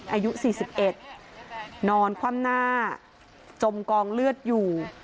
อายุสี่สิบเอ็ดนอนคว่ำหน้าจมกองเลือดอยู่